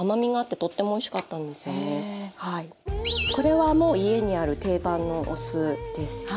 これはもう家にある定番のお酢です。